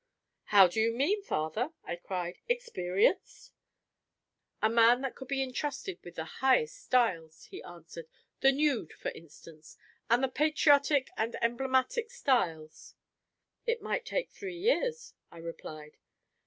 "How do you mean, father?" I cried. "Experienced?" "A man that could be entrusted with the highest styles," he answered; "the nude, for instance; and the patriotic and emblematical styles." "It might take three years," I replied.